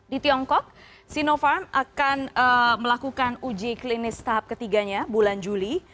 di tiongkok sinopharm akan melakukan uji klinis tahap ketiganya bulan juli